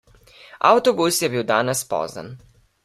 Avtobus je bil danes pozen.